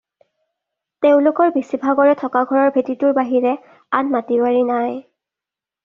তেওঁলোকৰ বেচি ভাগৰে থকা ঘৰৰ ভেটিটোৰ বাহিৰে আন মাটি-বাৰী নাই।